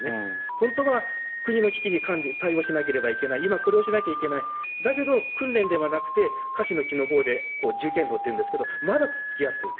本当は国の危機に対応しなきゃいけない今、これをしなきゃいけないだけど訓練ではなくて樫の木の棒で銃剣道というんですがまだ突き合っている。